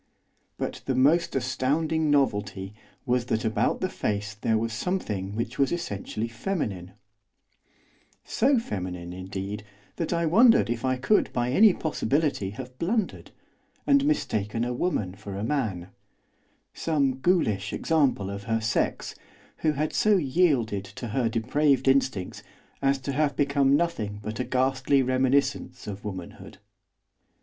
But the most astounding novelty was that about the face there was something which was essentially feminine; so feminine, indeed, that I wondered if I could by any possibility have blundered, and mistaken a woman for a man; some ghoulish example of her sex, who had so yielded to her depraved instincts as to have become nothing but a ghastly reminiscence of womanhood.